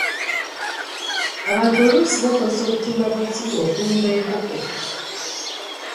Abantu oluusi bakozesa obutimba bw'ensiri okulunda enkoko.